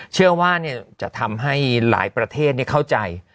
เชื่อว่าจะทำให้หลายประเทศเข้าใจ